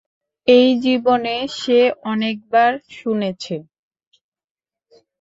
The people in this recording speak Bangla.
এই জীবনে সে অনেক বার শুনেছে।